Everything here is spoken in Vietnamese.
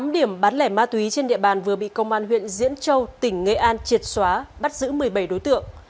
tám điểm bán lẻ ma túy trên địa bàn vừa bị công an huyện diễn châu tỉnh nghệ an triệt xóa bắt giữ một mươi bảy đối tượng